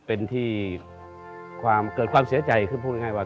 เป็นที่เกิดความเสียใจคือพูดง่ายว่า